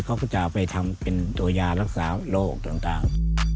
เขาก็จะเอาไปทำเป็นตัวยารักษาโรคต่าง